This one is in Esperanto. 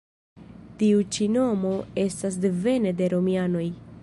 Tiu ĉi nomo estas devene de romianoj.